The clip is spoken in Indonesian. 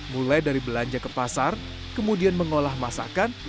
mulai dari belanja ke pasar kemudian mengolah masakan